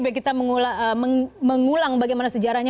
biar kita mengulang bagaimana sejarahnya